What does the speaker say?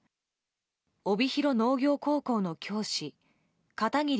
帯広農業高校の教師片桐朱璃